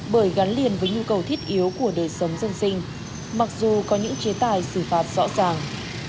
bởi gắn liền với nhu cầu thiết yếu của đời sống dân sinh mặc dù có những chế tài xử phạt rõ ràng